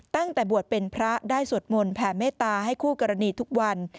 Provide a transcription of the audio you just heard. ตั้งแต่บวชเป็นพระได้สวดมนต์แผ่เมตตาให้คู่กรณีทุกวัน